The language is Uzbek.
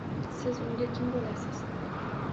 Siz unga kim boʻlasiz